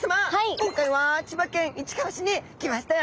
今回は千葉県市川市に来ましたよ！